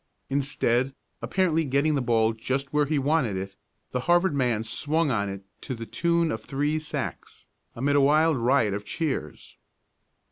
Instead, apparently getting the ball just where he wanted it, the Harvard man swung on it to the tune of three sacks, amid a wild riot of cheers.